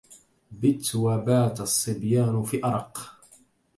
بت وبات الصبيان في أرق